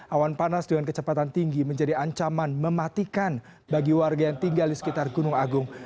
awan panas dengan kecepatan tinggi menjadi ancaman mematikan bagi warga yang tinggal di sekitar gunung agung